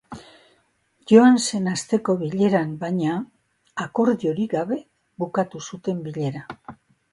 Joan zen asteko bileran, baina, akordiorik gabe bukatu zuten bilera.